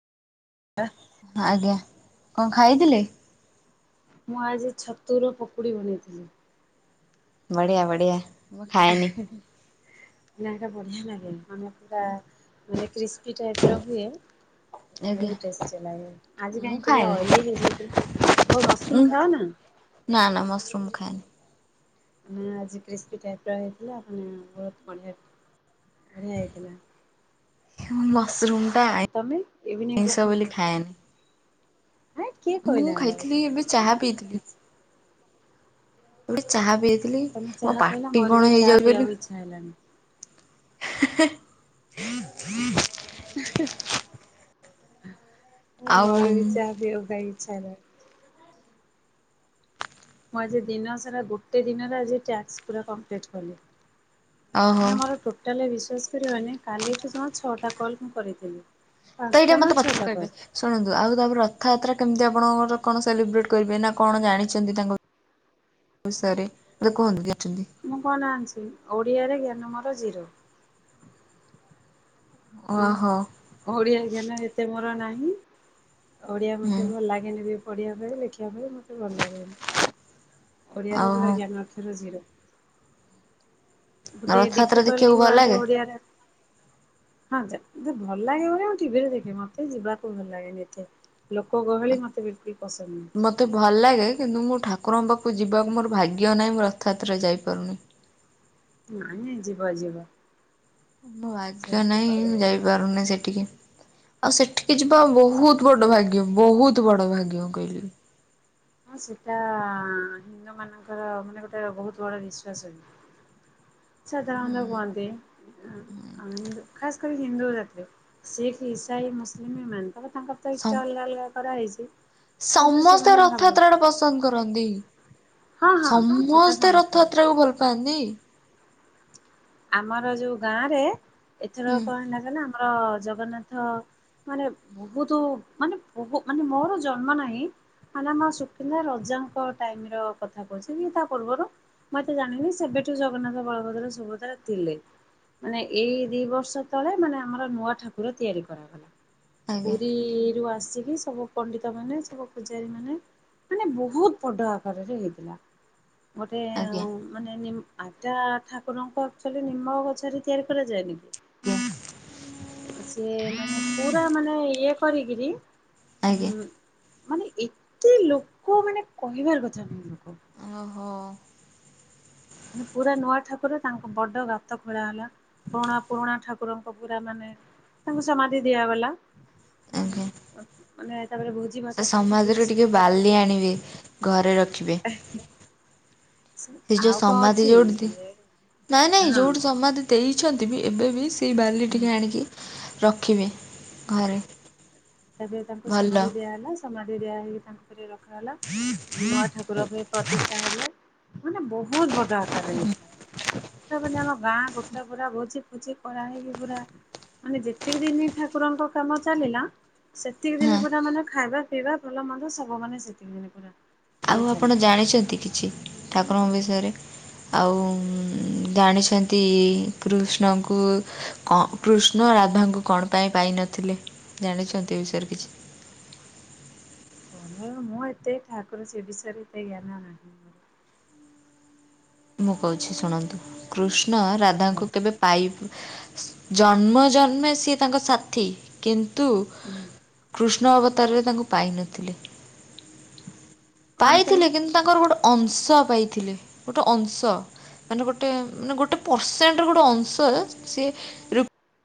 ଆ। ଆଜ୍ଞା କଣ ଖାଇଥିଲେ? ମୁଁ ଆଜି ଛତୁରୁ ପକୁଡ଼ି ବନେଇଥିଲି। ବଢିଆ ବଢିଆ। ଆହେ ନା ହେଟା ବଢିଆ ଲାଗେନେ ଆମ ବା ମାନେ କ୍ରିସ୍କି ଟାଇପ ର ହୁଏ। ଆଜ୍ଞା ବହୁତ ଟେଷ୍ଟୀ ଲାଗେ ଆଜି ମୁଁ କାଇଁ ଟିକେ ଖାଏନି ଅଏଲି ହେଇଯାଇଥିଲା ଓ ମୁଁ ମଶ୍ରୁମ୍ ଖାଅନା? ନା ନା ମସରୁମ ଖାଏନି। ନା ଆଜି କ୍ରିସ୍ପି ଟାଇପ୍ର ହେଇଥିଲା ମାନେ ବହୁତ ବଢ଼ିଆ ବଢ଼ିଆ ହେଇଥିଲା। ମସରୁମ୍ ଟା ଆଁ ଆଉ ତମେ ଇଭିନିଂ ରେ ଆଁଇଶ କଣ ବୋଲି ଖାଇଲ? ଖାଏନା। ହେ କିଏ କହିଲା ମୁଁ ଏଗୁଡା ଖାଇଥିଲି ବେକାରିଆ ଏବେ କଥା। ଚାହା ପିଇଥିଲି। ଗୋଟେ ଚାହା ପିଇଥିଲି ମୋ ପାଟି କଣ ହେଇଯାଉଚି ବୋଲି। ଥାଇଲାଣ୍ଡ। ହେ ହେ। ହେ ହେ ମୁଁ ଆଉ ମରିବି ଚାହା ପିଇବାକୁ କାଇଁ ଇଚ୍ଛା ହେଲାଣି। ମୁଁ ଆଜି ଦିନ ସାରା ଗୋଟେ ଦିନରେ ଆଜି ଟାସ୍କ ପୁରା କଂପ୍ଲିଟ୍ କଲି। ଓହୋ ମାନେ ମୋର ଟୋଟାଲି ବିଶ୍ୱାସ କରିବନି କାଲିଠୁ ଜମା ଛ ଟା କଲ କରିଥିଲି। ତ ଏଇଟା ପାଞ୍ଚଟା ନା ମତେ ପଛରେ ଛଅଟା କଲ୍ କହିବେନି। ଶୁଣନ୍ତୁ ଆଉ ତାପରେ ରଥଯାତ୍ରା କେମିତି ଆପଣଙ୍କର କଣ ସେଲିବ୍ରେଟେ୍ କରିବେ ନା କଣ ଜାଣିଛନ୍ତି ତାଙ୍କ ଓ ସରୀ ଏବେ କୁହନ୍ତୁ ଯିଏ ଅଛନ୍ତି? ମୁଁ କଣ ଯାଣିଛି ଓଡ଼ିଆରେ ଜ୍ଞାନ ମୋର ଜିରୋ। ଓହୋ। ଓଡିଆ ଜ୍ଞାନ ଏତେ ମୋର ନାହିଁ ଓଡିଆ ହୁଁ ମତେ ଭଲ ଲାଗେ। କିନ୍ତୁ ବି ପଢ଼ିବା ପାଇଁ ଲେଖିବା ପାଇଁ ମତେ ଭଲ ଲାଗେ। ଓଡ଼ିଆରେ ପୁରା ଓହୋ ଜ୍ଞାନ ଅକ୍ଷର ଜିରୋ। ଗୋଟେ ରଥଯାତ୍ରା ଦେଖିବାକୁ ଡିଫିକଲ୍ଟ ଭଲ ୱାର୍ଡ ଲାଗେ? ଓଡ଼ିଆରେ ହଁ ଯେ ଯେଭଲ ଲାଗେ ବୋଲି ମୁଁ ଟିଭିରେ ଦେଖେ ମତେ ଯିବାକୁ ଭଲ ଲାଗେନି ଏତେ। ଲୋକ ଗହଳି ମତେ ବିଲକୁଲ୍ ପସନ୍ଦ ନୁହଁ। ମୋତେ ଭଲ ଲାଗେ କିନ୍ତୁ ମୁଁ ଠାକୁରଙ୍କ ପାଖକୁ ଯିବାକୁ ମୋର ଭାଗ୍ୟ ନାହିଁ ମୁଁ ରଥଯାତ୍ରା ଯାଇପାରୁ ନାହିଁ। ନାହିଁ ଯିବ ଯିବ। ଭାଗ୍ୟ ସେମିତି ନାହିଁ ମୁଁ କହିହବନି। ଯାଇପାରୁନେହିଁ ସେଠିକି। ଆଉ ସେଠିକି ଯିବା ବହୁତ ବଡ ଭାଗ୍ୟ ବହୁତ ବଡ ଭାଗ୍ୟ ମୁଁ କଇଲି। ହଁ ସେଇଟା ହିନ୍ଦୁ ମାନଙ୍କର ମାନେ ଗୋଟେ ବହୁତ ବଡ ବିଶ୍ଵାସ ହୁଏ। ସାଧାରଣତ କୁହନ୍ତି ଆ ଆ ହିନ୍ଦୁ ଖାସ୍ କରି ହିନ୍ଦୁ ଜାତିର। ଶିଖ୍ ଇସାଇ ମୁସଲିମି୍ ଏମାନଙ୍କ ତାଙ୍କର ତ ଇଷ୍ଟା ଅଲଗା ଅଲଗା କରାହେଇଚି। ସମସ୍ତେ ରଥାତ୍ରା ଟା ପସନ୍ଦ କରନ୍ଦି। ହଁ ହଁ ସେଟା ସମସ୍ତେ ସମସ୍ତେ ରଥଯାତ୍ରା କୁ ଭଲ ପାଆନ୍ତି। ଆମର ଯୋଉ ଗାଁ ରେ ଏଥର ହୁଁ କଣ ହେଲା କଇଲ ଆମର ଜଗନ୍ନାଥ ମାନେ ବହୁତ ମାନେ ବହୁ ମାନେ ମୋର ଜନ୍ମ ନାହିଁ। ମାନେ ଆମ ସୁକିନ୍ଦା ରଜାଙ୍କ ଟାଇମର କଥା କହୁଚି କି ତା ପୁର୍ବୁରୁ। ମୁଁ ଏତେ ଜାଣିନି ସେବେଠୁ ଜଗନ୍ନାଥ ବଳଭଦ୍ର ସୁଭଦ୍ରା - ଥିଲେ ମାନେ ଏଇ ଦି ବର୍ଷ ତଳେ ମାନେ ଆମର ନୂଆ ଠାକୁର ତିଆରି କରାଗଲା। ଆଜ୍ଞା ପୁରୀରୁ ଆସିକି- ସବୁ ପଣ୍ଡିତ ମାନେ ସବୁ ପୂଜାରୀ ମାନେ ମାନେ ବହୁତ ବଡ ଆକାରରେ ହେଇଥିଲା। ଗୋଟେ ଆଜ୍ଞା। ମାନେ ନି ଆଟା ଠାକୁରଙ୍କୁ ଆଚୁଆଲି ନିମ୍ବ ଗଛ ତିଆରି କରାଯାଏନି କି ହୁଁ ଆଉ ସିଏ ମାନେ ପୁରା ମାନେ ଇ କରିକିରୀ ଆଜ୍ଞା। ମାନେ ଏତେ ଲୋକ ମାନେ କହିବାର କଥା ନାହିଁ ଓହୋ ମାନେ ପୁରା ନୂଆ ଠାକୁର ତାଙ୍କ ବଡ ଗାତ ଖୋଳା ହେଲା। ପୁରୁଣା ପୁରୁଣା ଠାକୁରଙ୍କ ପୁରା ମାନେ ତାଙ୍କୁ ସମାଧି ଦିଆଗଲା। ଉଁ ହୁଁ ମାନେ ତାପରେ ଭୋଜି ଭାତ ସେ ବହୁତ ସମାଧି ରୁ ଜୋରସୋରରେ ଟିକେ ବାଲି ଆଣିବେ। ଘରେ ରଖିବେ। ଏ ସେ ଯୋଉ ସମାଧି ଅଛି ଯୋଉଠି ନାଇଁ ନାଇଁ ହଁ ଯୋଉଠି ସମାଧି ଦେଇଛନ୍ତି ବି ଏବେ ବି ସେଇ ବାଲି ହଁ ଟିକେ ଆଣିକି ରଖିବେ ଘରେ। ତେବେ ତାଙ୍କୁ ଭଲ ସମାଧି ଦିଆ ହେଲା। ସମାଧି ଦିଆ ହେଇି ତାଙ୍କ ଘରେ ର ରଖା ହେଲା। ନୂଆ ଠାକୁର ପାଇଁ ପ୍ରତିଷ୍ଠା ହେଲେ ମାନେ ବହୁତ ବଡ ଆମ ଗାଁ ଗୋଟେ ପୁରା ଭୋଜି ଫୋଜି କରାହେଇକି ପୁରା ମାନେ ଯେତିକି ଦିନ ଠାକୁରଙ୍କ କାମ ଚାଲିଲା ସେତିକି ହଁ ଦିନ ପୁରା ମାନେ ଖାଇବା ପିଇବା ଭଲ ମନ୍ଦ ସବୁ ମାନେ ସେତିକି ଦିନ ପୁରା। ମାନେ ଆଉ ଚାଲିଲା ଆପଣ ଜାଣିଛନ୍ତି କିଛି ଠାକୁରଙ୍କ ବିଷୟରେ? ଆଉ ଜାଣିଛନ୍ତି କୃଷ୍ଣଙ୍କୁ - କ କୃଷ୍ଣ ରାଧାଙ୍କୁ କଣ ପାଇଁ ପାଇନଥିଲେ? ଜାଣିଛନ୍ତି ଏ ବିଷୟରେ କିଛି? କଣ ମୁଁ ଏତେ ଠାକୁର ସେ ବିଷୟରେ ଏତେ ଜ୍ଞାନ ନାହିଁ। ମୋର। ମୁଁ କହୁଛି ଶୁଣନ୍ତୁ କୃଷ୍ଣ ଆଉ ରାଧାଙ୍କୁ କୁହନ୍ତୁ କେବେ- ପାଇ ଜନ୍ମ ଜନ୍ମେ ସିଏ ତାଙ୍କ ସାଥି କି ତୁ ହୁଁ କୃଷ୍ଣ ଅବତାରରେ ତାଙ୍କୁ ପାଇନଥିଲେ। କଣ ପାଇଁ ପାଇଥିଲେ। କିନ୍ତୁ ତାଙ୍କର ଗୋଟେ ଅଂଶ ପାଇଥିଲେ ଗୋଟେ ଅଂଶ। ମାନେ ଗୋଟେ ମାନେ ଗୋଟେ ପରସେଣ୍ଟ ଗୋଟେ ଅଂଶ ସିଏ